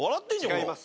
違います。